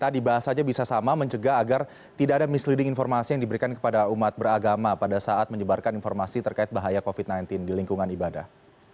tadi bahasanya bisa sama mencegah agar tidak ada misleading informasi yang diberikan kepada umat beragama pada saat menyebarkan informasi terkait bahaya covid sembilan belas di lingkungan ibadah